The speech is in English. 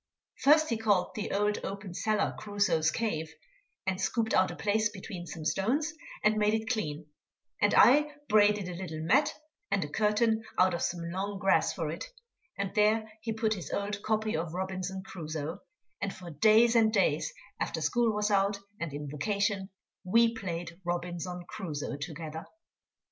First he called the old open cellar Crusoe's cave, and scooped out a place between some stones and made it clean, and I braided a little mat and a curtain out of some long grass for it, and there he put his old copy of Robinson Crusoe, and for days and days, after school was out, and in vacation, we played Robinson Crusoe together.